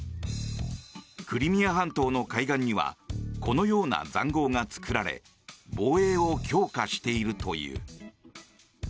クリミア半島の海岸にはこのような塹壕が作られ防衛を強化しているという。